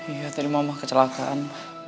iya tadi mama kecelakaan